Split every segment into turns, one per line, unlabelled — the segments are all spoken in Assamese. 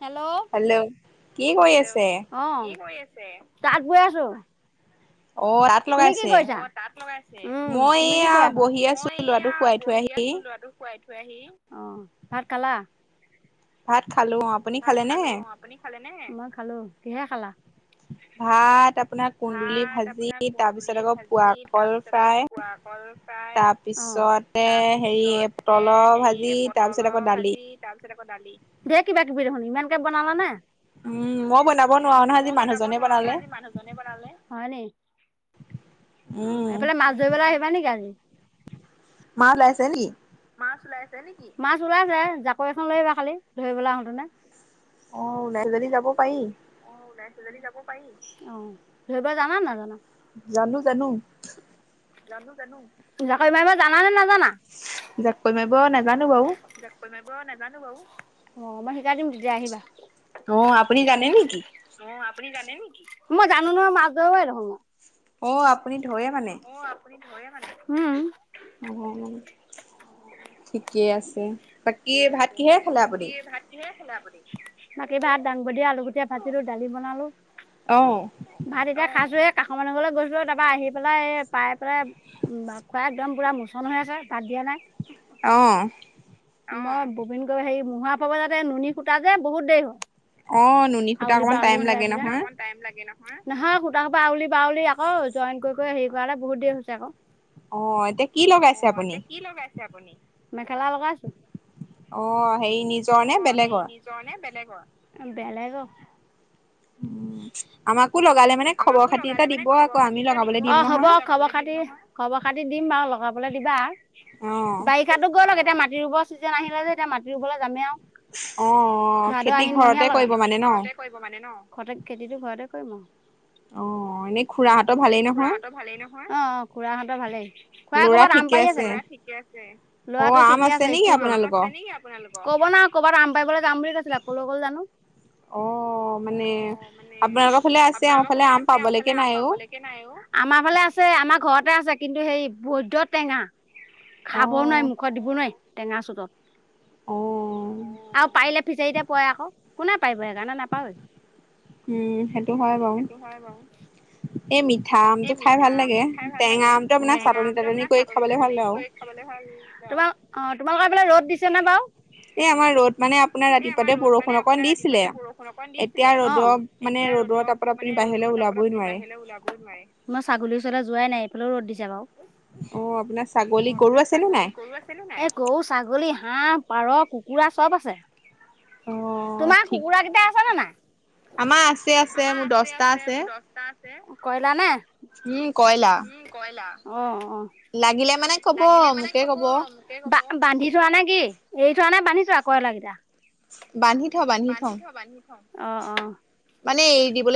হেল্ল' হেল্ল' অহ, কি কৰি আছে? তাত বৈ আছোঁ। তুমি কি কৰিছা? অ তাত লগাইছে উম তুমি কি কৰি আছা? মই এইয়া বহি আছো ল'ৰাটো শুৱাই আহি অ ভাত খালা? ভাত খালো অ আপুনি খালে নে নাই? মই খালো। কিহেৰে খালা?
ভাত আপোনাৰ কুন্দুলি ভাজি-
কুন্দুলি ভাজি তাৰ পিছত আকৌ পোৰা কল ফ্ৰাই। অ তাৰপিছতে হেৰি পটলৰ ভাজি তাৰ পিছ।। ধেৰ কিবা কিবি দেখোন ইমান গাল বনালা নে? মই বনাব নোৱাৰো নহয় আজি মানুহজনে বনালে। হয় নেকি? অ এইফালে মাছ ধৰিবলৈ আহিবা নেকি? হয় নেকি।
মা ওলাইছে নেকি?
মাছ ওলাইছে নেকি? মাছ ওলাইছে জাকৈ এখন লৈ আহিবা খালি ধৰিবলৈ আহোঁতে।
অ ওলাই যদি যাব।। পাৰি।
অ ওলাইছে যদি যাব পাৰি। অ ধৰিব জানান নাজানা?
জানো জানো।
জানো জানো জাল -ছাল মাৰিব জান নে নাজানা?
যাক মানে। বাৰু নেজানো বাৰু।
অ নেজানো বাৰু অ মই শিকাই দিম তেতিয়া আহিবা।
অ আপুনি জানে নেকি?
আপুনি জানে নেকি? মই জানো নহয় মাছ ধাৰোৱেই দেখোন মই।
অ আপুনি।। ধৰে মানে?
ধৰে মানে। উম
অ ঠিকেই আছে। বাকী ভাত কিহেৰে খালে আপুনি?
বাকী ভাত দাংগুটীয়ে আলুগুটীয়ে ভাজিলো দালি বনালো। ভাত এতিয়া খাইচোহে কাষৰ মানুহৰ ঘৰত।। গৈছো আৰু তাৰপৰা আহি পেলাই পাই পেলাই খুৱাই একদম পুৰা মোচন হৈ আছে ভাত দিয়া নাই।
অহ।
অ বুবিন গৈ হেৰি মোহৰা বাবে যে নুনী সূতা যে বহুত দেৰি হ'ল।
অ নুনী সুতা অকমান টাইম লাগে নহয়?
নহয়, সুতাৰ সোপা আউলি বাউলি আকৌ, জইন কৰি কৰি হেৰি কৰালে বহুত দেৰি হৈছে আকৌ।
অ', এতিয়া কি লগাইছে আপুনি?
মেখেলা লগাইছো।
অ', হেৰি নিজৰ নে বেলেগৰ?
বেলেগ।
উম।
আমাকো লগালে মানে খবৰ খাতি দিব। অ হ'ব খবৰ খাতি খবৰ খাতি দিম বাৰু লগ কাবলৈ দিবা। বাৰিষাতো গৈ লক, এতিয়া মাটি মাট ৰুব ছিজন আহিলে যে, এতিয়া মাটি ৰুবলৈ যামেই আৰু। ভাদ-আহিনমহীয়া লগাম। খেতি ঘৰতে কৰিব মানে ন? ঘৰতে খেতিটো ঘৰতে [unintelligible] অ', এনেই খুৰাহঁতৰ ভালেই নহয়? অ', অ', খুৰাহঁতৰ ভালেই, খুৰায়ে কৰবাত আম পাৰি আছে গে। ল'ৰা ঠিকে আছে? অ', ল'ৰাটো ঠিকে আছে, স্কুল গ'ল। অ', আম আছে নেকি আপোনোক? কব নোৱাৰো কৰ'বাত আম পাৰ যাম বুলি কৈছিলে, কলৈ গল জানো।
অ', মানে, আপোনালোকৰ ফালে
আপোনালোকৰ ফালে আছে আমাৰ ফালে আম পাবলৈকে নাই অ', আমাৰ ফালে আছে আমাৰ ঘৰত আছে কিন্তু সেই বৈদ্য টেঙা। খাব নোৱাৰি, মুখত দিব নোৱাৰি। টেঙা চোতত। অ', আৰু পাৰিলে ফিচাৰিতে পৰে আকৌ। কোনে পাৰিব? সেইকাৰণে নাপাৰোৱেই।
উম।
উম, সেইটো হয়, বাৰু। এই মিঠা আমটো খাই ভাল লাগে, অ', টেঙা আমটো আপোনাৰ চাটনি, তাটনি কৰি খাবলৈ ভাল লাগে। তোমা-অ', তোমালোকৰ ৰ'দ দিছেনে বাৰু?
এই আমাৰ ৰ'দ মানে আপোনাৰ ৰাতিপুৱাতে বৰষুণ অকণ দিছিলে, এতিয়া ৰ'দত মানে ৰ'দ
ৰ'দ মানে ৰ'দৰ তাপত আপুনি বাহিৰলৈ ওলাবই নোৱাৰে, মই ছাগলী ওচৰলৈ যোৱাই নাই। লেও ৰ'দ দিছে বাৰু। অ', আপোনাৰ ছাগলী, গৰু আছে নে নাই? এ গৰু, ছাগলী, হাঁহ পাৰ, কুকুৰা চব আছে। তোমাৰ কুকুৰা কেইটা আছে নে নাই?
আছে, আছে, মোৰ দচটা আছে।
কয়লা নে?
উম, কয়লা।
অ'। অ', লাগিলে মানে ক'ব, বান্ধি থোৱা নে কি? এৰি থোৱা নে বান্ধি থোৱা কয়লাগিটা
বান্ধি থওঁ, বান্ধি থওঁ।
অ', অ'।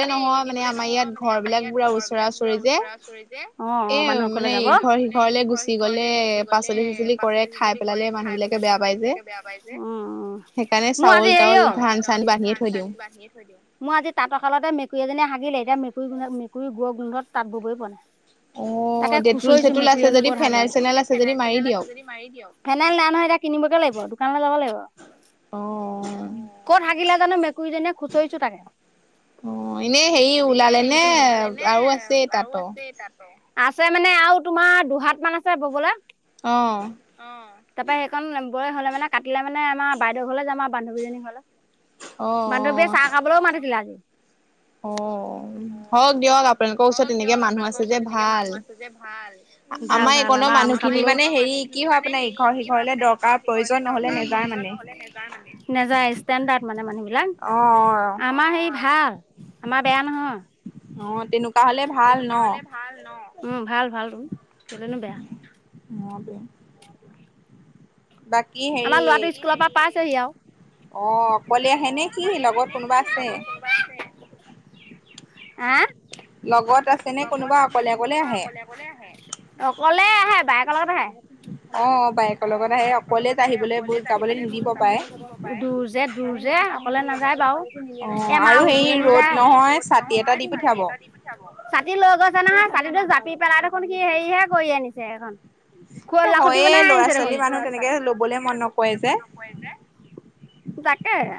মানে এৰি দিবলে নহয়। মানে আমাৰ ইয়াত ঘৰ বিলাক পুৰা ওচৰা-ওচৰি যে। অ', অ', মানুহৰ ঘৰলে যাব। মানে ইঘৰ-সিঘৰ গুচি গ'লে, পাচলি-চাচলি কৰে, খাই পেলালে মানুহ বিলাকে বেয়া পাই যে। অ', অ', মোৰ আজি হেই হ'ল, চাউল-তাউল, ধান-চান বান্ধিয় থৈ দিও। মোৰ আজি তাঁতশলতে মেকুই এজনীয়ে হাগিলে। এতিয়া মকুৰী গোন্ধত, মেকুৰীৰ গোৱৰ গোন্ধত তাঁত ববই পৰা নাই। তাকে খুচৰিছো মেকুৰীনো ক'ত হাগিলে। ফেনাইল-চেলাইন আছে যদি মাৰি দিয়ক। ফেনাইল নাই নহয় এতিয়া কিনিবকে লাগিব। দোকানলৈ যব লাগিব। অ'। ক'ত হাগিলে জানো মেকুৰীজনীয়ে খুচৰিছো তাকে।
অ, এনেই হেৰি ওলালে নে আৰু আছে তাতো।
আছে মানে আৰু তোমাৰ দুহাত মান আছে ববলে।
অ',
তাৰৰা সেইখন বয় হলে মানে কাটে মানে আমাৰ বাইদেউ হলে যামাৰ বান্ধীজনী ঘৰলে। বান্ধৱীয়ে চাহ খাবলেও মাতিছিলে আজি। ভাল ভাল আমাৰ আম খাবলেও নেযায় ষ্টেণ্ডাৰ্ড। মানে মানুহ আমাৰ সেই ভাল আমাৰ বেয়া নহয় ভাল-ভাল কেলেনো বেয়া।
অ, টোন। বাকী হেৰি অ, অকলে আহে নে সি লগত কোনোবা আছে।
আহ, লগত আছে নে কোনোবা অকলে অকলে আহে অকলে আহে বায়েকৰ লগত আহে অ বায়েকৰ লগত অকলে আহিবলে [unintelligible] দূৰ যে দূৰ যে অকলে নাযায় বাৰু এ মা দুজনী যায় [unintelligible] চাতি লৈ গৈছ যে নহয় চাতিটো জাপি পেলাই দেখোন সি সেই হে কৰি আনিছে এখন
এ হয়ে ল'ৰা ছোৱালী মানুহ তেনেকে ল'বলে মন নকয় যে।
এৰা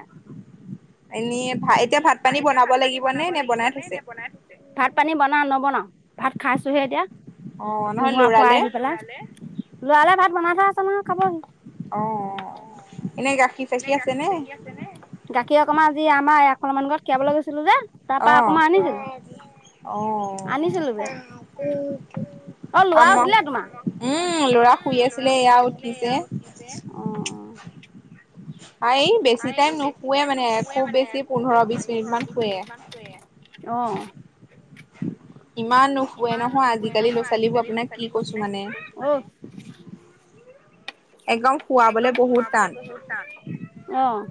এনে এতিয়া ভাত পানী বনাব লাগিব নে নে বনাই থৈছে? ভাত পানী বনাও নবনাও ভাত খাইছোহে এতিয়া। মোৰা ফুৱাই আহি পেলাই লৰালে ভাত বনাই থোৱা আছে নহয় খাব সি কমা যি আম আমাৰ আগফালৰ মানুহ ঘৰত খিয়াব গৈছিলো যে?
অ অ, আমাৰ উম, লৰা শুই আছিলে এয়া উঠিছে। অই, ই বেছি টাইম নুশুৱে মানে খুব বেছি
খুব বেছি পোন্ধৰ বিশ মিনিট মান শুৱে। অঁ।
ইমান নুশুৱে নহয় আজিকালি ল'ৰা ছোৱালীবোৰ আপোনাক কি কৈছো মানে।
[inaudible] একদম গুৱাবলে বহুত টান, অ'।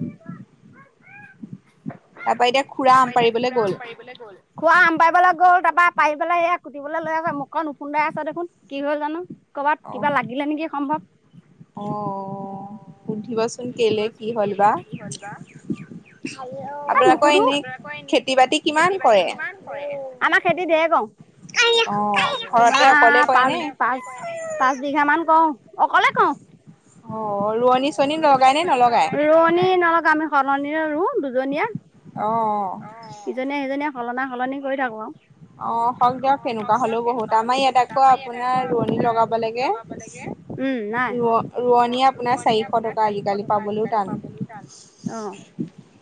[unintelligible] তাৰপা এতিয়া খুৰা আম পাৰিবলৈ গ'ল, খুৰা আম পাৰিবলৈ গ'ল ত বা পাৰি পেলাই এয়া কুটিবলৈ লৈ আছে মোখ খণ ওফুন্দাই আছে দেখোন কি হ'ল জানো। কবাত কিবা লাগিলে নেকি সম্ভৱ।
অ', সুধিবচোন কেলে কি হল বা।
এ নুসুধো এনে খেতি বাতি কিমান কৰে? আমাৰ খেতি ঢেৰ কৰো, তোমাৰ পাচ-পাচ-পাচ বিঘা মান কৰো অ', অকলে কওঁ।
অ', ৰোৱনী চোৱনী লগাই নে নলগাই?
সলনিৰে ৰু দুজনীয়ে। অ', ইজনি সিজনিয়ে সলনা-সলনি কৰি থাকোঁ আওঁ।
অ, হওক দিয়ক সেনেকুৱা হলেও বহুত আমাৰ ইয়াত আকৌ আপোনাৰ ৰোৱনী লগাব লাগে ৰো-ৰোৱনী
ৰোৱনীয়ে আপোনাৰ চাৰিশ টকা আজিকালি পাবলৈও তান, অ', তাকে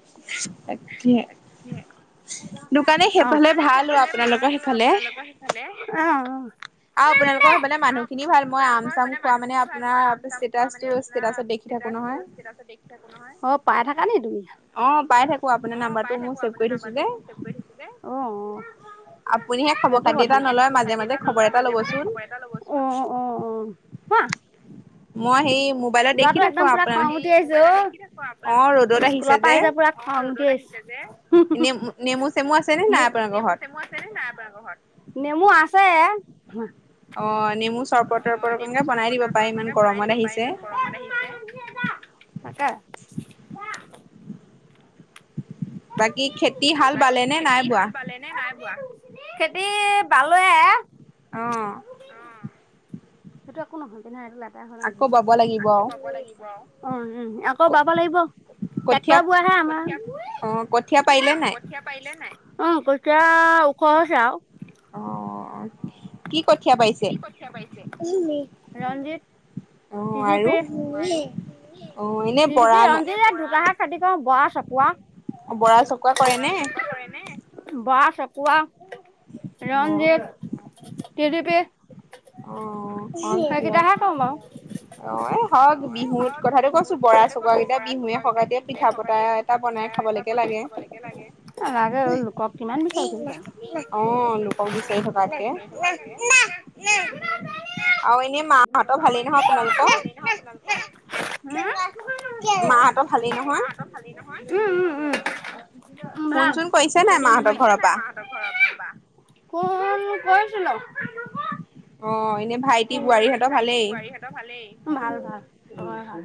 আপোনালোকৰ সেইফালে, অ'। অ'।
আৰু আপোনা লোকৰ মানে মানুহখিনি ভাল মই আম চাম খোৱা মানে আপোনাৰ ষ্টেটাচ তো
অ', অফিস স্টেটাস তো স্টেটাসত দেখি থাকো নহয় অ', পাই থাকা নেকি তুমি, অ', পাই ঠাকো আপোনি নাম্বার তো মোৰ চেভ কৰি থইচে যে অ'। সেইটো কথা, আপোনিহে খবৰ খাতি এটা নলয় মাজে মাজে খবৰ এটা লব চোন অ', অ', অ কোৱা লৰাটো একদম পুৰা খং উঠি আছে ঔ [unintelligible] স্কুলৰ পৰা আহিছে পুৰা খং উঠি আহিছে, নেমু, চেমু আছে নে নাই আপোনাৰ ঘৰত? নেমু আছে [unintelligible]
অ', নেমু
অ', নেমু চৰপত তৰপত অকনকে বনাই দিব পাৰে ইমান গৰমত আহিছে, তাকেই।
বাকী খেতি হাল বালে নে নাই বোৱা?
খেতি ভালোয়ে
অ'।
সেইটো একো নহয় পিনে। [unintelligible] অ', উম আকৌ বাব লাগিব ট্ৰেকতৰ [unintelligible] আমাৰ অ', ঠিয়া ওখ হৈছে আৰু।
অ কি কঠীয়া পাইছে
ৰঞ্জিত তিৰিপি ৰিপি ৰঞ্জিাক দুোত শাক কাটতি ক বোৱা চপোৱা বৰা চক কৰে ন বৰা চক কোৱা ৰঞ্জিত টডঅ পে'
অ স কিয়
অ হওক বিহুত কথাটো কছো বৰা চক কেইটা বিহুৱেগ পিঠা পতা এটা বনাই খাব লকে লাগে লাগে লোকক কিমান বিচাৰি থিল বাৰু লোকক বিচাৰি থে
আৰু এনে মাহঁত ভালে ন আপোনালোকৰ মাহতৰ ভালেই নহয়
ভাল শনৈছে নাই মাহঁতৰ ঘৰত কিবা খ কৈছিল
অ এনে ভাইটি বোৱাৰী সিহঁতৰ ভালেই
ভালেই ভাল ভাল ভাল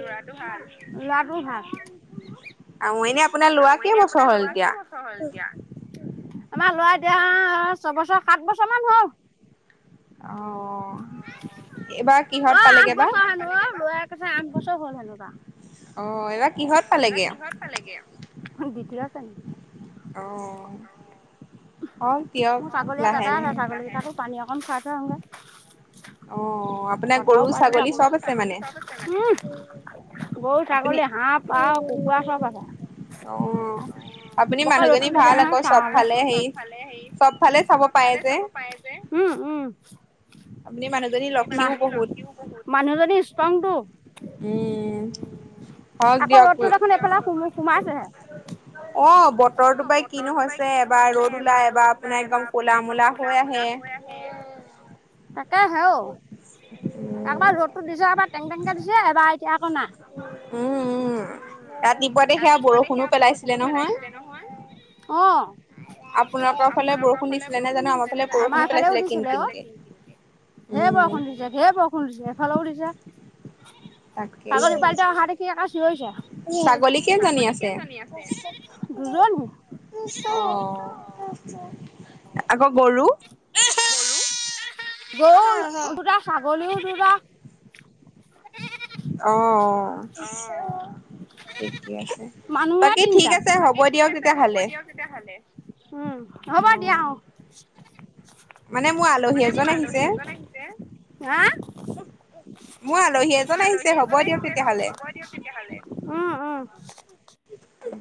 লৰাটো ভাল লৰাটো ভাল আৰু মই এনে আপোনাৰ লৰা কেই বছৰ হল এতিয়া আমাৰ লৰা এতিয়া ছয়বছৰ সাত বছৰ মান হল
আহঁ এইবাৰ কিহত পালেগে বা
তাৰ আম কছ হ'ল হেনোুৱা
অ এইবাৰ কিহত পালেগে
দ্বতিয়াছে ন
অঁ আহ দিয়ক লাহে লাহে
অকন চাই থই আহুগে।
অ আপোনাৰ গৰু ছাগলী চব আছে মানে?
খ [inaudible] গৰু ছাগলী আ কুকুৰা চব আছে। অ বকে ৰ'দটো দিছে নহয় ছালে আকৌ চবফালে হেই চব ফালে চাব পাৰে যে উম উম। মাহ [inaudible] মানুহজনী টংটো।
উম।
আকৌ ৰ'দটো দেখোন এইফালে হোমো সোমাইছেহে। অঁ বতৰটো পায় কিনো হৈছে এবাৰ ৰ'দ ওলাই এবাৰ আপোনাৰ একদম কলা মলা হৈ আহে। ত হেঔ একবাৰ ৰ'দো দিছে একবাৰ টেংক টেংকে দিছে এবাৰ এতিয়া আকৌ নাই।
[inaudible]
উ উ ৰাতিপুৱাতে সেয়া বৰষুণো পেলাইছিলে নহয়, অঁ, আপোনালোকৰ ফালে বৰষুন দিছিলে নাই জানো, আমাৰ এফালেও দিছিলে অ, কিন কিন কে। ধেৰ বৰষুণ দিছে ধেৰ বৰষুণ দিছে এফালেও দিছে।
তাকে
কি আছে? [unintelligible] ছাগলী কেইজনী আছে দুজনি অ। গৰু? গৰু দুটা ছাগলীও দুটা। [unintelligible]
অ, '।
অ মানুহে তিনটা বাকী ঠিক আছে হ'ব দিয়ক তেতিয়াহাললে উম হ'ব দিয়া অ।
মানে মোৰ আলহী এজন আহিছে! মোৰ আলহী এজন আহিছে হ'ব দিয়ক তেতিয়াহ'লে।
হ'ব দিয়ক তেতিয়াহ'লে অ অ। [unintelligible]
উ